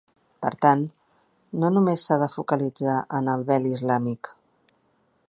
Per tant, no només s’ha de focalitzar en el vel islàmic.